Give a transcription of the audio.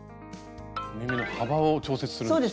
縫い目の幅を調節するんですね。